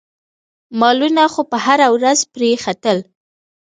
مالونه خو به هره ورځ پرې ختل.